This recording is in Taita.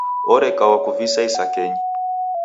Oreka wakuvisa isakenyi.